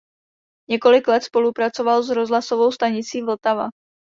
Několik let spolupracoval s rozhlasovou stanicí Vltava.